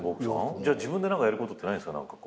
じゃあ自分で何かやることってないんですか？